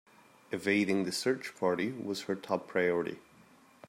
Evading the search party was her top priority.